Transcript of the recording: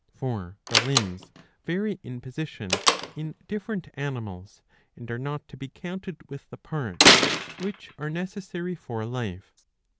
For the limbs vary in position in different animals, and are not to be counted with the parts which are necessary for life.